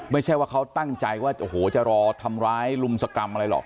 ไม่ใช่ว่าเขาตั้งใจว่าโอ้โหจะรอทำร้ายลุมสกรรมอะไรหรอก